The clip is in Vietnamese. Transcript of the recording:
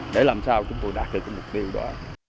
để làm sao chúng tôi đạt được cái mục tiêu đó